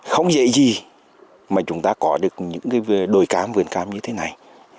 không dễ gì mà chúng ta có được những cái đồi cám vườn cám như thế này